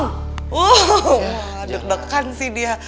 wow deg degan sih dia